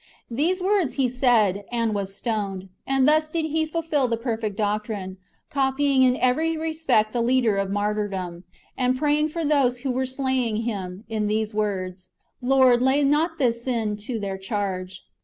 "^ These words he said, and was stoned ; and thus did he fulfil the perfect doctrine, copying in every respect the Leader of martyrdom, and praying for those who were slaying him, in these words :" Lord, lay not this sin to their charge."